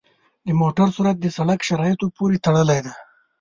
د موټر سرعت د سړک شرایطو پورې تړلی دی.